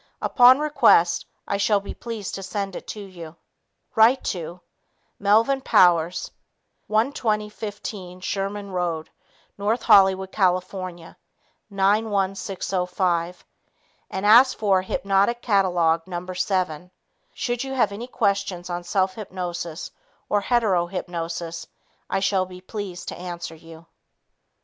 Upon request, I shall be pleased to send it to you. Write to: Melvin Powers, 12015 Sherman Road, No. Hollywood, California 91605 and ask for Hypnotic Catalog No. 7. Should you have any questions on self hypnosis or hetero hypnosis, I shall be pleased to answer you.